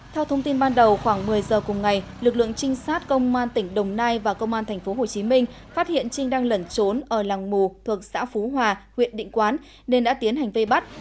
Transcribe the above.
theo thông tin ban đầu khoảng một mươi giờ cùng ngày lực lượng trinh sát công an tỉnh đồng nai và công an tp hcm phát hiện trinh đang lẩn trốn ở làng mù thuộc xã phú hòa huyện định quán nên đã tiến hành vây bắt